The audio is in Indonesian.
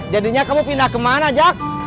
jadinya kamu pindah kemana jak